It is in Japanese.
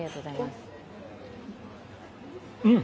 うん！